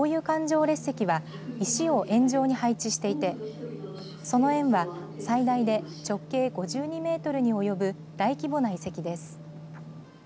環状列石は石を円状に配置していてその円は最大で直径５２メートルに及ぶ大規模な遺跡です。